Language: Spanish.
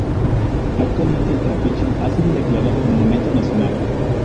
Actualmente El Trapiche ha sido declarado Monumento Nacional.